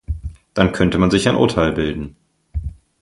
Dann könnte man sich ein Urteil bilden.